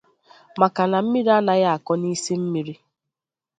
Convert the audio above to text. maka na mmiri anaghị akọ n'isi mmiri.